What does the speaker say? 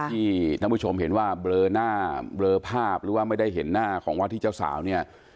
ที่ท่านผู้ชมเห็นว่าเบลอหน้าเบลอภาพหรือว่าไม่ได้เห็นหน้าของวาธิเจ้าสาวเนี่ย